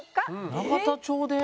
永田町で？